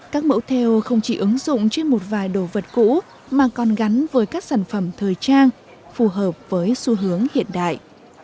các mẫu theo không chỉ ứng dụng trên một vài đồ vật cũ mà còn gắn với các sản phẩm thời trang phù hợp với xu hướng hiện đại